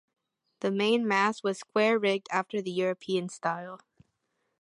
The mainmast was square-rigged after the European style.